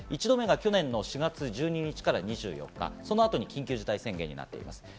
１度目、去年の４月１２日から２４日、そのあと緊急事態宣言です。